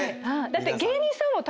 だって。